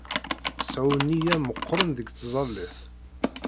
Sɛu nneyya meqqren deg ṭẓallit.